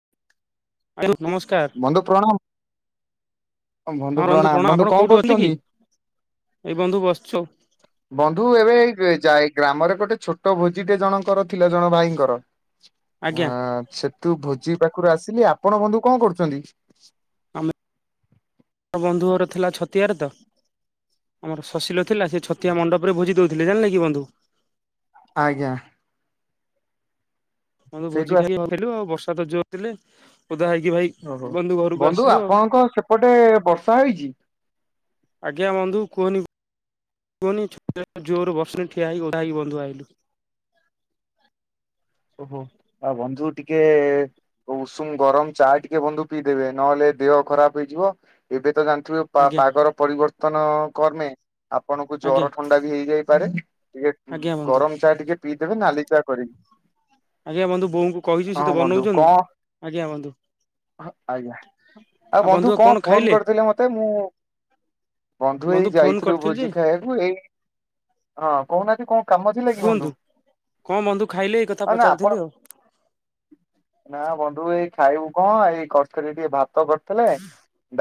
[unintelligible] ବନ୍ଧୁ ପ୍ରଣାମ। ବନ୍ଧୁ ହଁ ପ୍ରଣାମ ବନ୍ଧୁ ଆପଣ କଣ କୋଉଠି ଅଛନ୍ତି କି କରୁଚନ୍ତି? ଏଇ ବନ୍ଧୁ ବସିଛୁ ବନ୍ଧୁ ଏବେ ଏଇ ଯାଇ ଗ୍ରାମରେ ଗୋଟେ ଛୋ ଛୋଟ ଭୋଜିଟେ ଜଣଙ୍କର ଥିଲା ଜଣେ ଭାଇଙ୍କର ଆଜ୍ଞା ଆଁ ସେଠୁ ଭୋଜି ପା [unintelligible] ଆସିଲି ଆପଣ ବନ୍ଧୁ କଣ କରୁଚନ୍ତି? ଆମେ ବନ୍ଧୁ ଘର ଥିଲା ଛତିଆରେ ତ ଆମର ଶଶିିଲ ଥିଲା ସେ ଛତିଆ ମଣ୍ଡପରେ ଭୋଜି ଦଉ [unintelligible] ଜାଣିଲେ କି ବନ୍ଧୁ ଆଜ୍ଞା। ଆମେ ତ ସେଇଠୁ ଭୋଜି ଆସି ଖାଇ [unintelligible] ଫେରିଲୁ ଆଉ ବର୍ଷା ତ ଜୋର ଥିଲେ ଓଦା ହେଇକି ଭାଇ ଓହୋ ବନ୍ଧୁ ଘରକୁ ଆସିଲୁ ଆଉ। ଆପଣଙ୍କ ସେପଟେ ବର୍ଷା ହେଇଛି? ଆଜ୍ଞା ବନ୍ଧୁ କୁହନି କୁହନି ଛୋ [unintelligible] ଜୋର ବର୍ଷାରେ ଠିଆ ହେଇ ଓଦା ହେଇ ବନ୍ଧୁ ଆଇଲୁ। [inaudible] ଓହୋ ଆ ବନ୍ଧୁ ଟିକେ ଉଷୁମ ଗରମ ଚା ଟିକେ ବନ୍ଧୁ ପିଇଦେବେ ନହେଲେ ଦେହ ଖରାପ ହେଇଯିବ ଏବେ ତ ଜା ଆଜ୍ଞା ପାଗର ପରିବର୍ତ୍ତନ କର୍ମେ ଆପଣଙ୍କୁ ଆଜ୍ଞା ଜର ଥଣ୍ଡା ବି ହେଇଯାଇପାରେ ଟିକେ ଆଜ୍ଞା ବନ୍ଧୁ ଗରମ ଚା ଟିକେ ପିଇଦେବେ ନାଲି ଚା କରିକି। ଆଜ୍ଞା ବନ୍ଧୁ ବୋଉଙ୍କୁ କହିଚି ସିଏ ହଁ ତ ବନ୍ଧୁ ବନଉଚନ୍ତି କଣ ଆଜ୍ଞା ବନ୍ଧୁ। ଆଜ୍ଞା ଆଉ ବନ୍ଧୁ କଣ ଫୋନ କରିଥିଲେ ମତେ ମୁଁ ବନ୍ଧୁ ଏଇ ଫୋନ ଯାଇଥିଲୁ କରିଥିଲି ଯେ ଭୋଜି ଖାଇବାକୁ ଏଇ ହଁ କହୁନା। କୁହନ୍ତୁ କଣ ବନ୍ଧୁ ଖାଇଲେ ଏଇ କଥା ହଁ ପ ଆପଣ ନା ବନ୍ଧୁ ଏଇ ଖାଇବୁ କଣ ଏଇ କରିଥିଲେ ଟିକେ ଭା ତ କରିଥିଲେ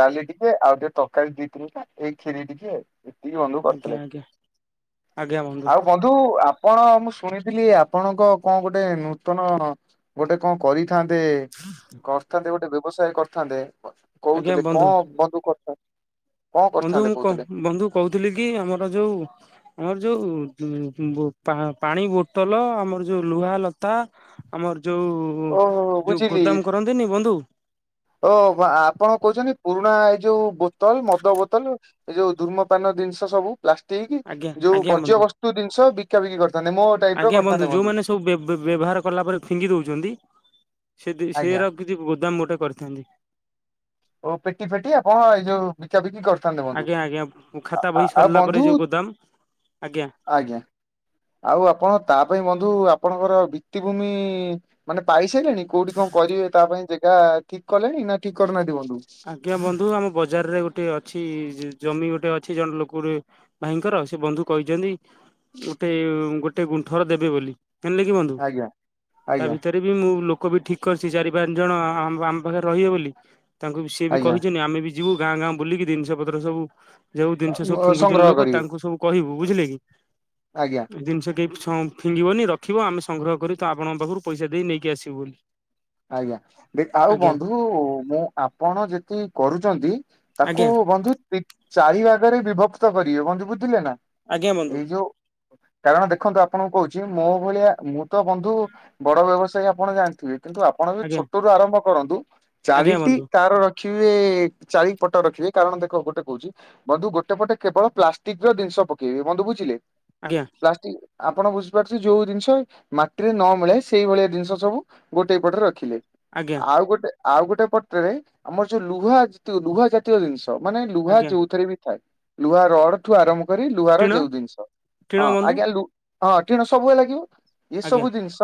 ଡାଲି ଟିକେ ଆଉ ଟିକେ ତରକାରୀ ଦି ତିନିଟା ଏଇ ଖିରି ଟିକେ ଏତିକି ବନ୍ଧୁ ଆଜ୍ଞା କରିଥିଲେ ଆଜ୍ଞା। ଆଉ ବନ୍ଧୁ ଆପଣ ମୁଁ ଶୁଣିଥିଲି ଆପଣଙ୍କ କଣ ଗୋଟେ ନୂତନ ଗୋଟେ କଣ କରି ଥାନ୍ତେ କରିଥାନ୍ତେ ଗୋଟେ ବ୍ୟବସାୟ କରିଥାନ୍ତେ ଆଜ୍ଞା କହୁଥିଲେ ବନ୍ଧୁ କଣ ବନ୍ଧୁ କରିଥାନ୍ତେ? କଣ ବନ୍ଧୁ କରିଥାନ୍ତେ ମୁଁ କହୁଥିଲେ ବନ୍ଧୁ କହୁଥିଲି କି ଆମର ଯୋଉ ଆମର ଯୋଉ ଉଁ ଉଁ ପାଣି ବୋଟଲ ଆମର ଯୋଉ ଲୁହା ଲତା ଆମର ଯୋଉ ଓହୋ ଯୋଉ ବୁଝିଲି ଗୋଦାମ କରନ୍ତିନି ବନ୍ଧୁ। ଓ ଆପଣ କହୁଛନ୍ତି ପୁରୁଣା ଏ ଯୋଉ ବୋତଲ ମଦ ବୋତଲ ଏ ଯୋଉ ଧୁର୍ମପାନ ଜିନିଷ ସବୁ ପ୍ଲାଷ୍ଟିକ ଆଜ୍ଞା ଯୋଉ ଆଜ୍ଞା ବନ୍ଧୁ ଗର୍ଜବସ୍ତୁ ଜିନିଷ ବିକା ବିକି କରିଥାନ୍ତେ ମୋ ଟାଇପ ର ଆଜ୍ଞା କରିଥାନ୍ତେ ବନ୍ଧୁ। ଯୋଉମାନେ ସବୁ ବ୍ୟବହାର କଲାପରେ ଫିଙ୍ଗି ଦେଉଛନ୍ତି। ସେ ସେ ଆଜ୍ଞା। ରଖିଛି ଗୋଦାମ ଗୋଟେ କରିଥାନ୍ତି। ଓଉ ପେଟି ଫେଟି ଆପଣ ଏଇ ଯୋଉ ବିକା ବିକି କର ଥାନ୍ତେ ବନ୍ଧୁ ଆଜ୍ଞା ଆଜ୍ଞା ଖାତା ବହି ଆଉ ସରିଲା ପରେ ବନ୍ଧୁ ଯୋଉ ଗୋଦାମ ଆଜ୍ଞା ଆଜ୍ଞା। ଆଉ ଆପଣ ତା ପାଇଁ ବନ୍ଧୁ ଆପଣଙ୍କର ଭିତ୍ତିଭୂମି ମାନେ ପାଇସାରିଲେଣି କୋଉଠି କଣ କରିବେ ତା ପାଇଁ ଏଟା ଠିକ୍ କଲେ ନା ଠିକ୍ କରିନା ଆଜ୍ଞା ବନ୍ଧୁ ଆମ ବଜାରରେ ଗୋଟେ ଅଛି। ଜମି ଗୋଟେ ଅଛି ଜଣେ ଲୋକ ଗୋଟେ ଭାଇଙ୍କର ସେ ବନ୍ଧୁ କହିଛନ୍ତି ଗୋଟେ ଗୋ ଗୋଟେ ଗୁଣ୍ଠର ଦେବେ ବୋଲି ହେଣିଲ କି ବନ୍ଧୁ ଆଜ୍ଞା ତା ଆଜ୍ଞା ଭିତରେ ବି ମୁଁ ଲୋ ଲୋକ ବି ଠିକ୍ କରିଛି ଚାରି ପାଞ୍ଚ ଜଣ ଆମ ପାଖରେ ରହିବେ ବୋଲି ତାଙ୍କୁ ସିଏ ବି ଆଜ୍ଞା କହିଛନ୍ତି ଆମେ ବି ଯିବୁ ଗାଁ ଗାଁ ବୁଲିକି ଜିନିଷ ପତ୍ର ସବୁ ଯୋଉ ଜିନିଷ ସବୁ ଫିଙ୍ଗୁଛନ୍ତି ସଂଗ୍ରହ ଲୋକ କରିବେ ତାଙ୍କୁ ସବୁ କହିବୁ ବୁଝିଲେ କି ଆଜ୍ଞା। ଜିନିଷ କେହି ଫିଙ୍ଗିବନି ରଖିବ ଆମେ ସଂଗ୍ରହ କରି ତ ଆପଣଙ୍କ ପାଖରୁ ପଇସା ଦେଇ ନେଇକି ଆସିବୁ ବୋଲି। ଆଜ୍ଞା ଦେ ଆଉ ଆଜ୍ଞା ବନ୍ଧୁ ମୁଁ ଆପଣ ଯେତିିକି କରୁଛନ୍ତି ତାକୁ ଆଜ୍ଞା ବନ୍ଧୁ ଚାରି ଭଗରେ ବିଭକ୍ତ କରିବେ ବନ୍ଧୁ ବୁଝିଲେ ନା। ଆଜ୍ଞା ବନ୍ଧୁ ଏଇ ଯୋଉ କାରଣ ଦେଖନ୍ତୁ ଆପଣଙ୍କୁ କହୁଛିୁ। ମୋ ଭଳିଆ ମୁଁ ତ ବନ୍ଧୁ ବଡ ବ୍ୟବସାୟୀ ଆପଣ ଜାଣିଥିବେ। କିନ୍ତୁ ଆପଣ ଯଦି ଆଜ୍ଞା ଛୋଟ ରୁ ଆରମ୍ଭ କରନ୍ତୁ ଆଜ୍ଞା ଚାରିଟି ବନ୍ଧୁ ତାର ରଖିବେ ଚାରି ପଟ ରଖିବେ କାରଣ ଦେଖ ଗୋଟେ କହୁଛି ବନ୍ଧୁ ଗୋଟେ ପଟେ କେବଳ ପ୍ଲାଷ୍ଟିକ ର ଜିନିଷ ପକେଇ ବନ୍ଧୁ ବୁଝିଲେ ଆଜ୍ଞା ପ୍ଲାଷ୍ଟିକ ଆପଣ ବୁଝିପାରୁଥେ ଯୋଉ ଜିନିଷ ମାଟିରେ ନ ମିଳେ ସେଇଭଳିଆ ଜିନିଷ ସବୁ ଗୋଟେ ପଟରେ ରଖିଲେ। ଆଜ୍ଞା ଆଉ ଗୋଟେ ଆଉ ଗୋଟେ ପଟରେ ଆମର ଯୋଉ ଲୁହା ଲୁହା ଜାତୀୟ ଜିନିଷ ମାନେ ଲୁହା ଆଜ୍ଞା ଯୋଉଥିରେ ବି ଥାଏ ଲୁହା ରଡ ଠୁ ଆରମ୍ଭ ଲୁହାରର ଟିଣ ଯୋଉ ଜିନିଷ ଟିଣ ହଁ ବନ୍ଧୁ ଆଜ୍ଞା ହଁଣ ସବୁବେ ଲାଗିବ। ଆଜ୍ଞା ଏସବୁ ଜିନିଷ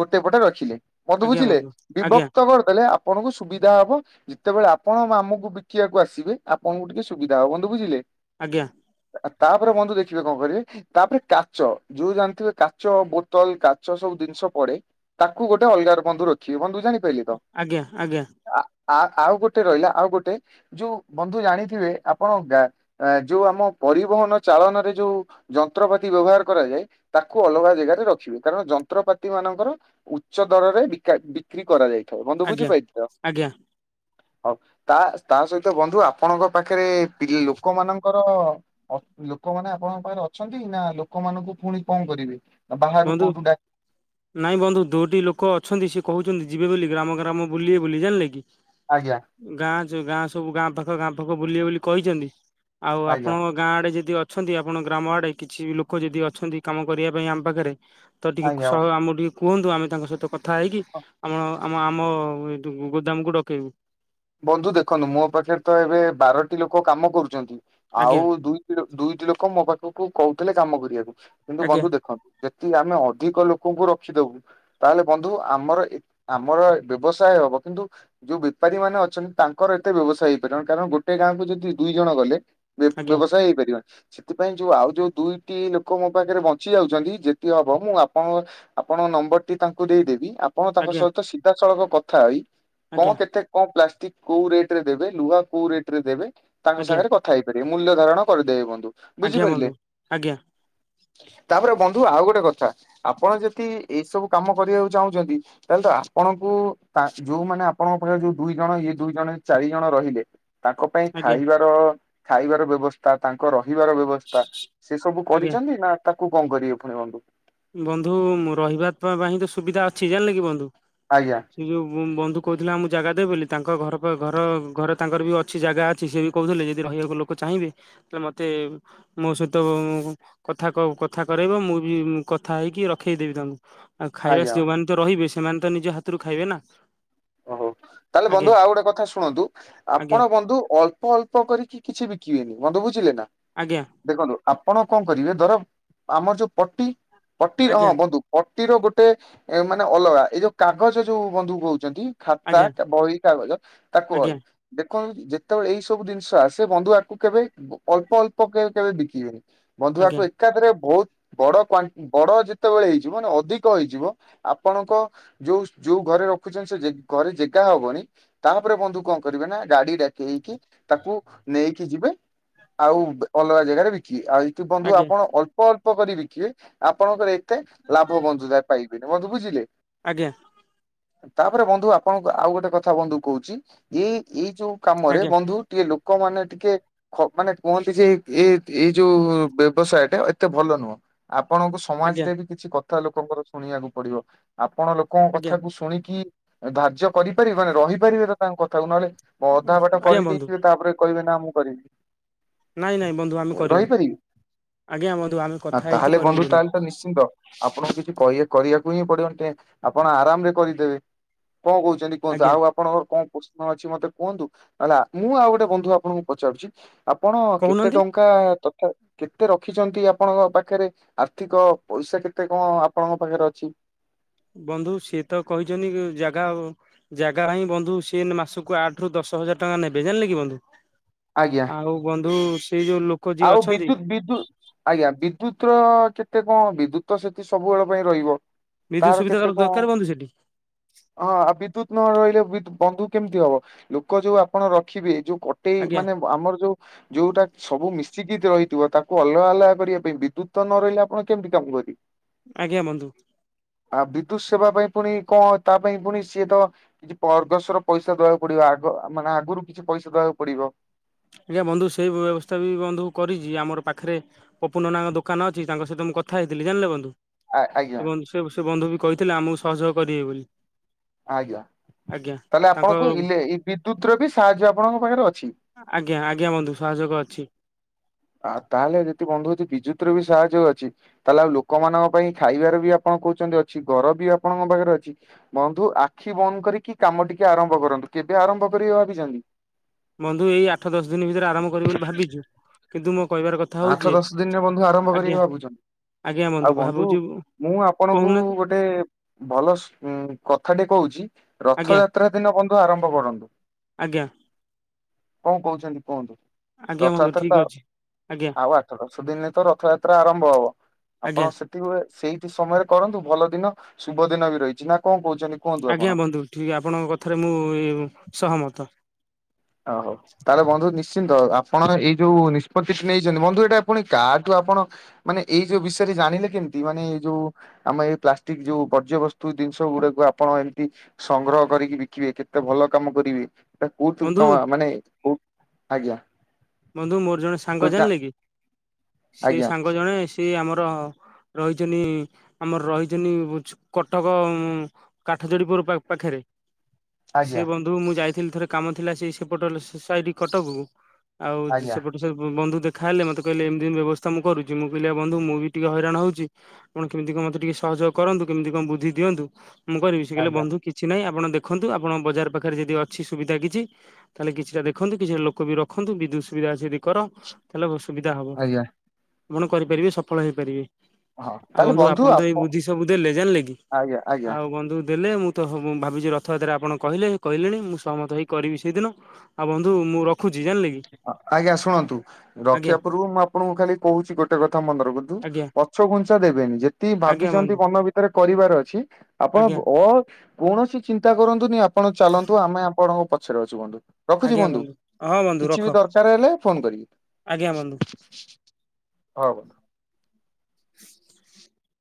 ଗୋଟେ ପଟେ ରଖିଲେ ମତେ ଆଜ୍ଞା ବୁଝିଲେ ବନ୍ଧୁ ଆଜ୍ଞା ବିଭକ୍ତ କରିଦେଲେ ଆପଣଙ୍କୁ ସୁବିଧା ହବ ଯେତେବେଳେ ଆପଣ ଆମକୁ ବିକିବାକୁ ଆସିବେ ଆପଣଙ୍କୁ ଟିକେ ସୁବିଧା ହବ ବନ୍ଧୁ ବୁଝିଲେ। ଆଜ୍ଞା। ଆ ତାପରେ ବନ୍ଧୁ ଦେଖିବେ କଣ କରିବେ ତାପରେ କାଚ ଯୋଉ ଜାଣିଥିବେ କାଚ ବୋତଲ କାଚ ସବୁ ଜିନି ପଡେ ତାକୁ ଗୋଟେ ଅଲଗାର ବନ୍ଧୁ ରଖିବେ ବନ୍ଧୁ ଜାଣି ଆଜ୍ଞା ଆଜ୍ଞା। ଆ ଆଉ ଗୋଟେ ରହିଲା ଆଉ ଗୋଟେ ଯୋଉ ବନ୍ଧୁ ଜାଣିଥିବେ ଆପଣ ଯୋଉ ଆମ ପରିବହନ ଚାଳନାରେ ଯୋଉ ଯନ୍ତ୍ରପାତି ବ୍ୟବହାର କରାଯାଏ ତାକୁ ଅଲଗା ଜାଗାରେ ରଖିବେ କାରଣ ଉତ୍ରପାତି ମାନଙ୍କର ଉ ଉଚ୍ଚ ଦରରେ ବିକ୍ରି କରାଯାଇଥାଏ ବନ୍ଧୁ ଆଜ୍ଞା ବୁଝିପାରିଲେତ। ଆଜ୍ଞା ହଉ ତା ତା ସହିତ ବନ୍ଧୁ ଆପଣଙ୍କ ପାଖରେ ପି ଲୋକମାନଙ୍କର ଲୋକମାନେ ଆପଣଙ୍କ ପାଖରେ ଅଛନ୍ତି ନା ଲୋକମାନଙ୍କୁ ପୁଣି କଣ କରିବେ? ବାହାରୁ ବନ୍ଧୁ କୋଉଠୁ ଡା ନାଇଁ ବନ୍ଧୁ ଦୁ ଇତି ଲୋକ ଅଛନ୍ତି ସେ କହୁଛନ୍ତି ଯିବେ ବୋଲି ଗ୍ରାମ ଗ୍ରାମ ବୁଲେ ବୋଲିୁ ଜାଣିଲେ କି ଆଜ୍ଞା ଗାଁ ସୁ ଗାଁ ସବୁ ଗାଁ ପାଖ ଗାଁ ପାଖ ବୁଲିବା ବୁଲି କହିଛନ୍ତି ଆଉ ଆଜ୍ଞା ଆପଣଙ୍କ ଗାଁ ଆଡେ ଯଦି ଅ ଅଛନ୍ତି ଆପଣ ଗ୍ରାମ ଆଡେ କିଛି ଲୋକ ଯଦି ଅଛନ୍ତି କାମ କରିବା ପାଇଁ ଆମ ପାଖରେ ତ ଟିକେ ଆଜ୍ଞା ସହ ବନ୍ଧୁ ଆମ ଟିକେ କୁହନ୍ତୁ ଆମେ ତାଙ୍କ ସହିତ କଥା ହେଇକି ଆମ ଆମ ଆମ ଗୋଦାମକୁ ଡକେଇବୁ। ବନ୍ଧୁ ଦେଖନ୍ତୁ ମୋ ପାଖରେ ତ ଏବେ ବାରଟି ଲୋକ କାମ କରୁଛନ୍ତି। ଆଜ୍ଞା ଆଉ ଦୁଇ ଦୁଇଟି ଲୋକ ମୋ ପାଖକୁ କହୁଥିଲେ କାମ କରିବାକୁ। କିନ୍ତୁ ଆଜ୍ଞା ବନ୍ଧୁ ଦେଖନ୍ତୁ ଯେତିକି ଆମେ ଅଧିକ ଲୋକଙ୍କୁ ରଖିଦବୁ ତାହେଲେ ବନ୍ଧୁ ଆମର ଆମର ବ୍ୟବସାୟ ହବ କିନ୍ତୁ ଯୋଉ ବେପାରୀ ମାନେ ଅ ତାଙ୍କର ଏତେ ବ୍ୟବସାୟ ହେଇପାରିବନି କାରଣ ଗୋଟେ ଗାଁକୁୁ ଯଦି ଦୁଇ ଜଣ ଗଲେ ଆଜ୍ଞା ବ୍ୟ-ବ୍ୟବସାୟ ହେଇପାରିବନି। ସେଥିପାଇଁ ଯୋଉ ଆଉ ଯୋଉ ଦୁଇଟି ଲୋକ ମୋ ପାଖରେ ବଞ୍ଚି ଯାଉଛନ୍ତି ଯେତିକି ହବ ମୁଁ ଆପଣ ଆପଣ ନମ୍ବରଟି ତାଙ୍କୁ ଦେଇଦେବି ଆପଣ ତାଙ୍କ ଆଜ୍ଞା ସହିତ ସିଧା ସଳଖ କଥା ହୋଇ କଣ କେତେ କଣ ପ- କୋଉ ରେଟ ରେ ଦେବେ ଲୁହା କୋଉ ରେଟ ରେ ଦେବେ ତାଙ୍କ ଆଜ୍ଞା ସାଙ୍ଗରେ କଥା ହୋଇପାରିବେ ମୂଲ୍ୟ ଧାରଣ କରିଦେବେ ମ- ଆଜ୍ଞା ବନ୍ଧୁ ଆଜ୍ଞା ତାପରେ ବନ୍ଧୁ ଆଉ ଗୋଟେ କଥା ଆପଣ ଯଦି ଏଇ ସବୁ କାମ କରିବାକୁ ଚାହୁଁଛନ୍ତି ତାହେଲେ ତ ଆପଣଙ୍କୁ ଆ-ଯୋଉ ମାନେ ଆପଣଙ୍କ ପାଖରେ ଯୋଉ ଦୁଇ ଜଣ ଇଏ ଦୁଇ ଜଣ ଚାରି ଜଣ ରହିଲେ ତାଙ୍କ ପାଇଁ ଖାଇବାର ଖାଇବାର ବ୍ୟବସ୍ଥା ତାଙ୍କ ର ପିବାର ବ୍ୟବସ୍ଥା ସେ ସବୁ ଆଜ୍ଞା କରିଛନ୍ତି ନା ତାକୁ କଣ କରିବେ ପୁଣି ବନ୍ଧୁ। ବନ୍ଧୁ ରହିବା ତା-ପାଇଁ ତ ସୁବିଧା ଅଛି ଜାଣିଲେ କି ବନ୍ଧୁ ଆଜ୍ଞା ସେ ଯୋଉ କହୁଥିଲା ମୁଁ ଜାଗା ଦେବ ବୋଲି ତାଙ୍କ ଘରପାଖ-ଘର-ଘର ତାଙ୍କର ବି ଅଛି ଜାଗା ଅଛି ସିଏବି କହୁଥିଲେ ଯଦି ରହିବାକୁ ଲୋକ ଚାହିଁବେ ତାଲେ ମୋତେ ମୋ ସହିତ କଥା-କଥା କରାଇବ ମୁଁ ବି କଥା ହେଇକି ରଖେଇଦେବି ତାଙ୍କୁ ଆଉ ଖାଇବା ଆଜ୍ଞା। ଯୋଉମାନେ ତ ରହିବେ ସେମାନେ ତ ନିଜ ହାତରୁ ଖାଇବେ ନା ଓହୋ [inaudible] ତାହେଲେ ଆଜ୍ଞା ବନ୍ଧୁ ଆଉ ଗୋଟେ କଥା ଶୁଣନ୍ତୁ ଆଜ୍ଞା ଆପଣ ବନ୍ଧୁ ଅଳ୍ପ ଅଳ୍ପ କରିକି କିଛି ବିକିବେନି, ବନ୍ଧୁ ବୁଝିଲେ ନା ଆଜ୍ଞା ଦେଖନ୍ତୁ ଆପଣ କଣ କରିବେ ଧର ଆମର ଯୋଉ ପଟି ପଟି ହଁ ଆଜ୍ଞା ବନ୍ଧୁ ଅ ଟିର ଗୋଟେ ମାନେ ଅଲଗା ଏଇ ଯୋଉ କାଗଜ ଯୋଉ ବନ୍ଧୁ କହୁଛନ୍ତି। ଖାତା ଆଜ୍ଞା ବହି କାଗଜ ତାକୁ ଆଜ୍ଞା ଅଲଗା ବେ- ଯେତେବେଳେ ଏଇ ସବୁ ଜିନିଷ ଆସେ ବନ୍ଧୁ ଆକୁ କେବେ ଅଳ୍ପ ଅଳ୍ପ କେବେ କେବେ ବିକିବେନି। ବନ୍ଧୁଆକୁ ଆଜ୍ଞା ଆଜ୍ଞା ଏକାଥରେ ବହୁତ ବଡ କ୍ଵା-ବଡ ଯେତେବେଳେ ହେଇଯିବ ମାନେ ଅଧିକ ହେଇଯିବ ଆପଣଙ୍କ ଯୋଉ ଯୋଉ ଗ- ରଖୁଛନ୍ତି ସେ ଘରେ ଜେଗା ହବନି ତାପରେ ବନ୍ଧୁ କଣ କରିବେ ନା ଗାଡି ଡାକେଇକି ତାକୁ ନେଇକି ଯିବେ ଆଉ ଅଲଗା ଜାଗାରେ ବିକିବେ ଆଉ ଏଠୁ ବନ୍ଧୁ ଆଜ୍ଞା ଆପଣ ଅଳ୍ପ ଅଳ୍ପ କରି ବିକିବେ ଆପଣଙ୍କର ଏତେ ଲାଭ ବନ୍ଧୁଏ ପାଇବେନି ବନ୍ଧୁ ବୁଝିଲେ ଆଜ୍ଞା ତାପରେ ବନ୍ଧୁ ଆପଣଙ୍କୁ ଆଉ ଗୋଟେ କଥା ବନ୍ଧୁ କହୁଛି ଏ ଏଇ ଯୋଉ କାମରେ ଆଜ୍ଞା ବନ୍ଧୁ ଟିଏ ଲୋ ଲୋକ ମାନେ ଟିକେ ମାନେ କୁହନ୍ତି ଯେ ଏ ଏଇ ଯୋଉ ବ୍ୟବସାୟ ଟା ଏତେ ଭଲ ନୁହଁ ଆ ଆପଣଙ୍କୁ ଆଜ୍ଞା ସମାଜରେ ବି କିଛି କଥା ଲୋକଙ୍କର ଶୁଣିବାକୁ ପଡିବ ଆପଣ ଲୋକଙ୍କ ଆଜ୍ଞା କଥାକୁ ଶୁଣିକି ଧାର୍ଯ୍ୟ କରିପାରିବେ ମାନେ ରହିପାରିବେ ତ ତାଙ୍କ କଥାକୁ ନହେଲେ ଅଧା ବାଟ ଆଜ୍ଞା ବନ୍ଧୁ କରିଦେଇଥିବେ ତାପରେ କହିବେ ନା ମୁଁ କରିବି ନାଇଁ ନାଇଁ ବନ୍ଧୁ ଆମେ କରିବୁ ରହିପାରିବେ ଆଜ୍ଞା ବନ୍ଧୁ ଆମେ କଥା ହେଇଛୁ ତାହେଲେ କରିବୁ ବନ୍ଧୁ ବୋଲି ତାହେଲେ ତ ନିଶ୍ଚିନ୍ତ ଆପଣଙ୍କୁ କିଛି କହିବାକୁ ଆପଣ ଆରାମରେ କରିଦେବେ କଣ କହୁଛନ୍ତି କୁହନ୍ତୁ ଆଜ୍ଞା ଆଉ ଆପଣଙ୍କ କଣ? ପ୍ରଶ୍ନ ଅଛି ମତେ କୁହନ୍ତୁ ନହଲେ ଆ-ମୁଁ ଆଉ ଗୋଟେ ବନ୍ଧୁ ଆପଣଙ୍କୁ ପଚାରୁଛି ଆପଣ କେତେ କହୁନାହାନ୍ତି। ଟଙ୍କା- କେତେ ରଖିଛନ୍ତି ଆପଣଙ୍କ ପାଖରେ ଆର୍ଥିକ ପଇସା କେତେ କଣ ଆପଣଙ୍କ ପାଖରେ ଅଛି? ବନ୍ଧୁ ସିଏ ତ କହିଛନ୍ତି ଜାଗା ଆଉ-ଜାଗା ପାଇଁ ବନ୍ଧୁ ସେ ମାସକୁ ଆଠ ରୁ ଦଶ ଛ ହଜାର ଟଙ୍କା ନେବେ ଜାଣିଲେ କି ବନ୍ଧୁ ଆଜ୍ଞା ଆଉ ବନ୍ଧୁ ସେଇ ଯୋଉ ଲୋକ ଯିଏ ଆଉ ଅଛନ୍ତି ବିଦ୍ୟୁତ ବିଦ୍ୟୁ-ଆଜ୍ଞା ବିଦ୍ୟୁତ ର କେ- ଏତେ କଣ ବିଦ୍ୟୁତ ସେତି ସବୁବେଳ ପାଇଁ ରହିବ। ବିଦ୍ୟୁତ ତାର ସୁବିଧା କେତେ କଣ ଦରକାର ବନ୍ଧୁ ସେଠି ହ ଆ ବିଦ୍ୟୁତ ନହ ରହିଲେ ବନ୍ଧୁ କେମିତି ହବ ଲୋକ ଯୋଉ ଆପଣ ରଖିବେ ଯୋଉ କଟେଇ ଆଜ୍ଞା। ମାନେ ଆମର ଯୋଉ ଯୋଉଟା ସବୁ ମି- -ରହିଥିବ ତାକୁ ଅଲଗା ଅଲଗା କରିବା ପାଇଁ ବିଦ୍ୟୁତ ତ ନ ରହିଲେ ଆପଣ କେମିତି କାମ କରିବେ ଆଜ୍ଞା ବନ୍ଧୁ ଆ ବିଦ୍ୟୁତ ସେବା ପାଇଁ ପୁଣି କଣ ତା ପାଇଁ ପୁଣି ସିଏ ତ କିଛି ଅର୍ଗସର ପଇସା ଦେବାକୁ ପଡିବ ଆଗ ମାନେ ଆଗୁ- ହାତରୁ କିଛି ପଇସା ଦେବାକୁ ପଡିବ। ଆଜ୍ଞା ବନ୍ଧୁ ସେଇ ବ୍ୟବସ୍ଥା ବି ବନ୍ଧୁ କରିଚି ଆମର ପାଖରେ ପପୁ ନନାଙ୍କ ଦୋକାନ ଅଛି ତାଙ୍କ ସହିତ ମୁଁ କଥା ହେଇଥିଲି ଜାଣିଲେ ବନ୍ଧୁ। ସେ ଆ-ଆଜ୍ଞା। ବନ୍ଧୁ ସେ ବନ୍ଧୁ ବି କହିଥିଲେ ଆମକୁ ସହଯୋଗ କରିବେ ବୋଲି। ଆଜ୍ଞା ଆଜ୍ଞା ତାହେଲେ ତାଙ୍କ ଆପଣଙ୍କୁ ଇଲେ ଇ ବିଦ୍ୟୁତ ର ବି ସାହାଯ୍ୟ ଆପଣଙ୍କ ପାଖରେ ଅଛି। ଆଜ୍ଞା ଆଜ୍ଞା ବନ୍ଧୁ ସହଯୋଗ ଅଛି। ଆଉ ତାହେଲେ ଯଦି ବନ୍ଧୁ ଯଦି ବିଦ୍ୟୁତର ବି ସାହାଯ ଅଛି ତାହେଲେ ଆଉ ଲୋକମାନଙ୍କ ପାଇଁ ଖାଇବାରେ ବି ଆପଣ କୋହୁଚନ୍ତି ଅଛି ଘର ବି ଆପଣଙ୍କ ପାଖରେ ଅଛି ବନ୍ଧୁ ଆଖି ବନ୍ଦ କରିକି କାମ ଟିକେ ଆରମ୍ଭ କରନ୍ତୁ। କେବେ ଆରମ୍ଭ କରିବେ ଭାବିଚନ୍ତି? ବନ୍ଧୁ ଏଇ ଆଠ ଦଶ ଦିନ ଭିତରେ ଆରମ୍ଭ କରିବୁ ବୋଲି ଭାବିଚୁ କିନ୍ତୁ ମୋ କହିବାର କଥା ଆଠ ହୋଉଚି ଦଶ ଦିନରେ ଉଁ ବନ୍ଧୁ ଆରମ୍ଭ କରିବେ ଆଜ୍ଞା ଭାବୁଛନ୍ତି ଆଜ୍ଞା ବନ୍ଧୁ ଭାବୁଚି। ମୁଁ ଆପଣଙ୍କୁ ଗୋଟେ ଭଲ ସୁ କଥା ଟେ କୋହୁଚି। ଆଜ୍ଞା ରଥଯାତ୍ରା ଦିନ ବନ୍ଧୁ ଆରମ୍ଭ କରନ୍ତୁ। ଆଜ୍ଞା କଣ କୋହୁଚନ୍ତି କୁହନ୍ତୁ ଆଜ୍ଞା ବନ୍ଧୁ ରଥଯାତ୍ରା ଠିକ ତ ଅଛି। ଆଜ୍ଞା ଆଉ ଆଠ ଦଶ ଦିନିରେ ତ ରଥଯାତ୍ରା ଆରମ୍ଭ ହବ ଆପଣ ଆଜ୍ଞା ସେତିକି ବେଳେ ସେଇଠି ସମୟରେ କରନ୍ତୁ ଭଲ ଦିନ ଶୁଭ ଦିନ ବି ରହିଚି ନା କଣ କୋହୁ ଆଜ୍ଞା ବନ୍ଧୁ ଠିକ ଆପଣଙ୍କ କଥାରେ ମୁଁ ସହମତ। ଓ ହୋଉ ତାହଲେ ବନ୍ଧୁ ନି ଶ୍ଚିନ୍ତ ଆପଣ ଏଇ ଯୋଉ ନିଷ୍ପତିଟି ନେଇଚନ୍ତି ବନ୍ଧୁ ଏଟା ଆପଣ କାହାଠୁ ଆପଣ ମାନେ ଏଇ ଯୋଉ ବିଷୟ ଜାଣିଲେ କେମିତି ମାନେ ଏଇ ଯୋଉ ଆମ ଏଇ ପ୍ଲାଷ୍ଟିକ ଯୋଉ ବର୍ଜ୍ୟବସ୍ତୁ ଜିନିଷ ଗୁଡାକୁ ଆପଣ ଏମିତି ସଂଗ୍ରହ କରିକି ବିକିବେ କେତେ ଭଲ କାମ କରିବେ। କୋଉଠୁ ବନ୍ଧୁ କଣ ମାନେ କୋଉ ଆଜ୍ଞା। ବନ୍ଧୁ ମୋର ଜଣେ ସାଙ୍ଗ କୋଉ ଜାଣିଲେ କି ସିଏ ଆଜ୍ଞା ସାଙ୍ଗ ଜଣେ ସିଏ ଆମର ରହିଚନ୍ତି ଆମର ରହିଚନ୍ତି କଟକ କାଠଯୋଡିପୁର ପାଖରେ ସେ ଆଜ୍ଞା ବନ୍ଧୁ ମୁଁ ଯାଇଥିଲି ଥରେ କାମ ଥିଲା ସେଇ ସେ ସେପଟ ସାଇଟି କଟକ କୁ ଆଉ ଆଜ୍ଞା ସେପଟେ ସେ ବନ୍ଧୁ ଦେ ଖାଇଲେ ମତେ କହିଲେ ଏମତି ଏମତି ବ୍ୟବସ୍ଥା ମୁଁ କରୁଚି ମୁଁ କହିଲି ବନ୍ଧୁ ମୁଁ ବି ଟିକେ ହଇରାଣ ହୋଉଚି ଆପଣ କେମତି କଣ ମତେ ଟିକେ ସହ ଯୋଗ କରନ୍ତୁ କେମିତି କଣ ବୁଦ୍ଧି ଦିଅନ୍ତୁ। ମୁଁ କରିବି ସେ କହିଲ ଆଜ୍ଞା ବନ୍ଧୁ କିଛି ନାହିଁ ଆପଣ ଦେଖନ୍ତୁ ଆପଣ ବଜାର ପାଖରେ ଯଦି ଅଛି ସୁବିଧା କିଛି ତାହେଲେ କିଛିଟା ଦେଖନ୍ତୁ କିଛିଟା ଲୋକ ବି ର ରଖନ୍ତୁ ବିଦ୍ୟୁତ ସୁବିଧା ଅଛି ଯଦି କର ତାହେଲେ ସୁବିଧା ହବ। ଆଜ୍ଞା ଆପଣ କରିପାରିବେ ସଫଳ ହେଇପାରିବେ। ହଁ ଆଉ ତାହେଲେ ବନ୍ଧୁ ଆପଣ ତ ଆପ ଏଇ ବୁଦ୍ଧି ସବୁ ଦେଲେ ଜାଣିଲେ କି ଆଜ୍ଞା ଆଜ୍ଞା ଆଉ ବନ୍ଧୁ ଦେଲେ ମୁଁ ତ ଭାବିଚି ରଥଯାତ୍ରା ଆପଣ କହିଲେ କହିଲେଣି ମୁଁ ସହମତ ହେଇ କରିବି ସେଇଦିନ ଆଉ ବନ୍ଧୁ ମୁଁ ରଖୁ ଆଜ୍ଞା ଶୁଣନ୍ତୁ ଆଜ୍ଞା ରଖିବା ପୂର୍ବରୁ ମୁଁ ଆପଣଙ୍କୁ ଖାଲି କୋହୁଚି ଗୋଟେ କଥା ମନେ ରଖନ୍ତୁ। ଆଜ୍ଞା ପଛଘୁଞ୍ଚା ଦେବେନି ଯେତିକି ଆଜ୍ଞା ଭାବିଚନ୍ତି ବନ୍ଧୁ ମନ ଭିତରେ କରିବାର ଅଛି ଆପଣ ଆଜ୍ଞା ଅ କୌଣ ସି ଚିନ୍ତା କରନ୍ତୁନି ଆପଣ ଚାଲନ୍ତୁ ଆମେ ଆପଣଙ୍କ ପଛରେ ଅଛୁ ବନ୍ଧୁ। ଆଜ୍ଞା ବନ୍ଧୁ। ବନ୍ଧୁ କିଛି ବି ରଖ ଦରକାର ହେଲେ ଫୋନ ଆଜ୍ଞା ବନ୍ଧୁ। କରିବେ ହ ବନ୍ଧୁ। [inaudible]